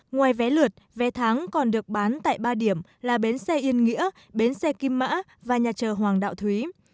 ngoài vé lượt vé tháng còn được bán tại ba điểm là bến xe yên nghĩa bến xe kim mã và nhà chờ hoàng đạo thúy